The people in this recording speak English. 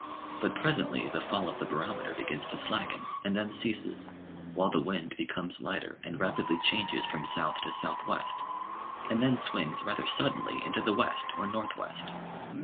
But presently the fall of the barometer begins to slacken, and then ceases, while the wind becomes lighter and rapidly changes from south to south west, and then swings rather suddenly into the west or north west.